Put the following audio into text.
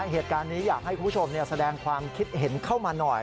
เหตุการณ์นี้อยากให้คุณผู้ชมแสดงความคิดเห็นเข้ามาหน่อย